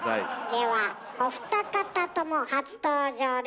ではお二方とも初登場です。